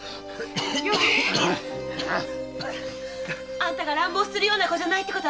あんたが乱暴するような子じゃないってことはわかってる